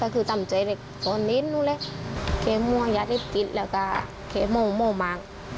เขามัวอย่าได้ติดแล้วก็เขาโมงโมงมาก